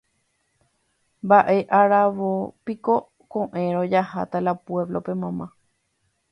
Mba'e aravópiko ko'ẽrõ jaháta la pueblope mama.